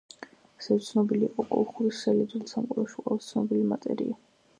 ასევე ცნობილი იყო კოლხური სელი, ძველ სამყაროში ყველაზე ცნობილი მატერია.